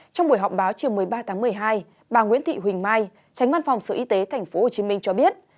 trong buổi họp báo chiều một mươi ba tháng một mươi hai bà nguyễn thị huỳnh mai tránh văn phòng sở y tế tp hcm cho biết